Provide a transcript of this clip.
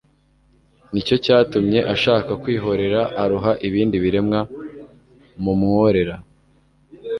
ni cyo cyatumye ashaka kwihorera aroha ibindi biremwa mu mworera.